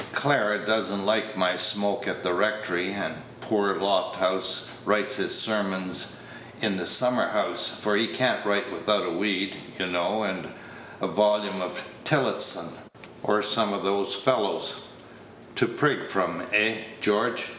Clara does n't like my smoke at the Rectory, and poor Lofthouse Page 123 writes his sermons in the summer house; for he can't write without a weed, you know, and a volume of Tillotson, or some of those fellows, to prig from, eh, George?"